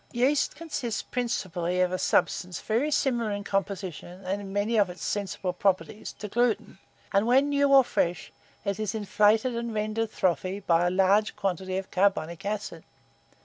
YEAST consists principally of a substance very similar in composition, and in many of its sensible properties, to gluten; and, when new or fresh, it is inflated and rendered frothy by a large quantity of carbonic acid.